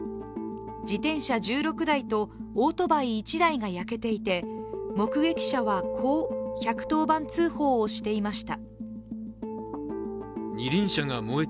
自転車１６台と、オートバイ１台が焼けていて目撃者はこう１１０番通報をしていました。